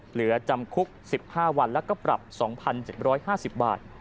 เหลือจำคุก๑๕วันแล้วก็ปรับ๒๗๕๐บาท